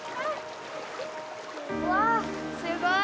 うわあ、すごい。